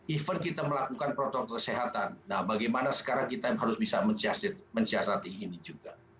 even kita melakukan protokol kesehatan nah bagaimana sekarang kita harus bisa mensiasati ini juga